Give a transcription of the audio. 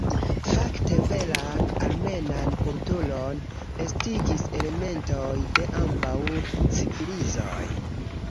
Fakte veran armenan kulturon estigis elementoj de ambaŭ civilizoj.